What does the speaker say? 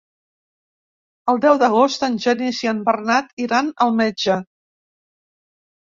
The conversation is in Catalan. El deu d'agost en Genís i en Bernat iran al metge.